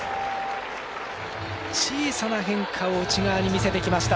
小さな変化を内側に見せてきました。